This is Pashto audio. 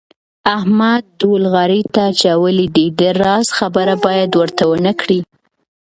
احمد ډول غاړې ته اچولی دی د راز خبره باید ورته ونه کړې.